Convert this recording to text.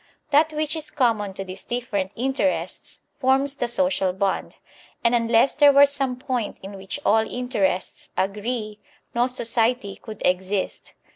That which is com mon to these different interests forms the social bond; and tmless there were some point in which all interests agree, no society could exist.